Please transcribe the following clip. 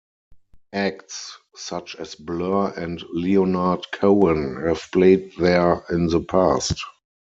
Acts such as Blur and Leonard Cohen have played there in the past.